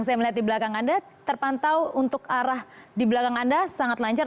saya melihat di belakang anda terpantau untuk arah di belakang anda sangat lancar